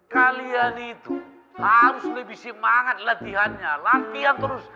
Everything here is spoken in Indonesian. kalian itu harus lebih semangat latihannya latihan terus